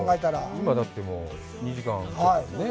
今だってもう２時間ちょっとだよね。